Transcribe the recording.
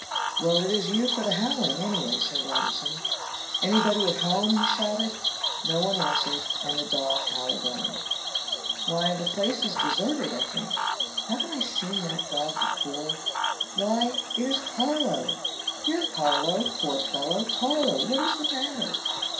"Well, it is you for howling anyway," said Robinson. "Anybody at home?" he shouted. No one answered, and the dog howled on. "Why, the place is deserted, I think. Haven't I seen that dog before? Why, it is Carlo! Here, Carlo, poor fellow, Carlo, what is the matter?"